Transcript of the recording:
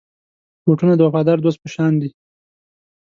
بوټونه د وفادار دوست په شان دي.